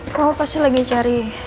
kamu pasti lagi cari